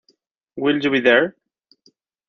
Will You Be There?